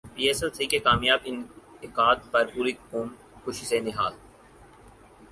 پی S L three کے کامیاب انعقاد پر پوری قوم خوشی سے نہال